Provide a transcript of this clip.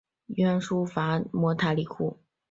鸯输伐摩塔库里王朝国王。